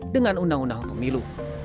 dengan undang undang pemilu